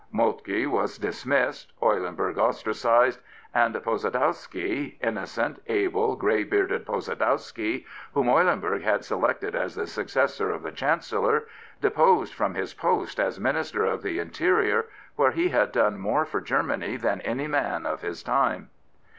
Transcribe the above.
Moltke was dismissed, Eulenburg ostracised, and Posadowsky — innocent, able, grey bearded Posadowsky — whom Eulenburg had selected as the successor of the Chancellor, deposed from his post as Minister of the Interior, where he had done more for Germany than any man of his time.